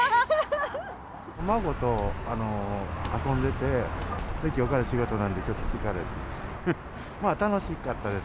孫と遊んでて、きょうから仕事なんで、ちょっと疲れています。